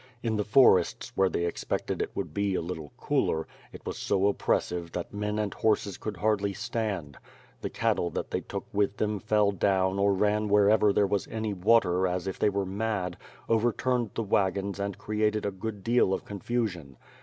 In the forests, where they expected it would be a little cooler, it was so oppressive that men and horses could hardly stand. The cattle that they took with them fell down or ran where ever there was any water as if they were mad, overturned the wagons and created a great deal of confusion.